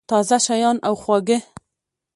تازه شیان او خواږه